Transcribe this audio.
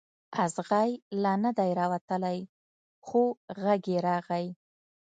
اغزی لا نه دی راوتلی خو غږ یې راغلی.